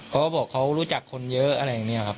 เขาบอกเขารู้จักคนเยอะอะไรอย่างนี้ครับ